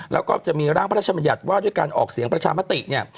แล้วก็จะมีร่างพระราชมัญญัติว่าด้วยการออกเสียงประชามติเนี่ย